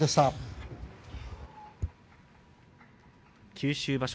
九州場所